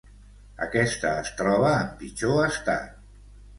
Aquesta es troba en pitjor estat.